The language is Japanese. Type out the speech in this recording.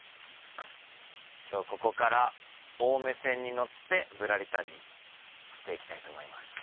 今日はここから青梅線に乗ってぶらり旅して行きたいと思います。